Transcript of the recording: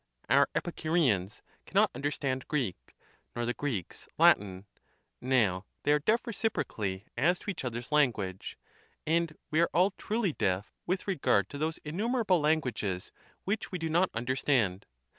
Our Epicureans cannot understand Greek, nor the Greeks Latin: now, they are deaf reciprocally as to each other's language, and we are all truly deaf with regard to those innumerable languages which we do not understand.